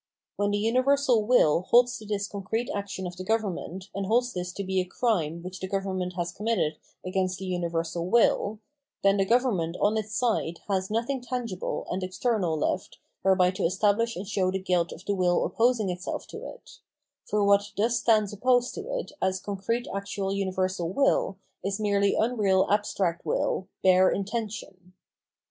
When the universal will holds to this concrete action of the government and holds this to be a crime which the government has committed against the universal will, then the government on its side has nothing tangible and external left whereby to estabhsh and show the guilt of the will opposing itself to it ; for what thus stands opposed to it as concrete actual uni versal will is merely unreal abstract wiU, bare intention.